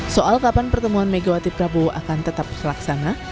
soal kapan pertemuan megawati prabowo akan tetap selaksana